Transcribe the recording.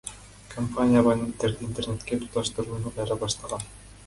Компания абоненттерди Интернетке туташтырууну кайра баштаган.